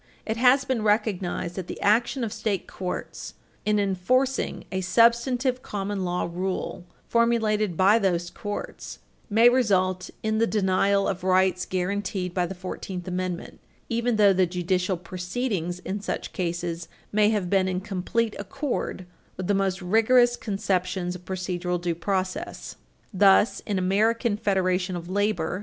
It has been recognized that the action of state courts in enforcing a substantive common law rule formulated by those courts, may result in the denial of rights guaranteed by the Fourteenth Amendment, even though the judicial proceedings in such cases may have been in complete accord with the most rigorous conceptions of procedural due process. [Footnote 19] Thus, in American Federation of Labor v.